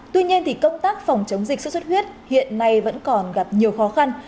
tuy nhiên thì công tác phòng chống dịch xuất xuất huyết hiện nay vẫn còn gặp nhiều khó khăn